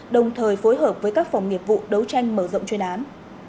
đồng thời phối hợp với các phòng nghiệp vụ đấu tranh mở rộng chuyên án